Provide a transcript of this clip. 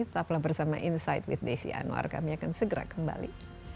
tetaplah bersama insight with desi anwar kami akan segera kembali